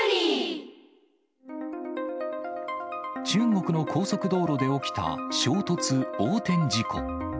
中国の高速道路で起きた衝突、横転事故。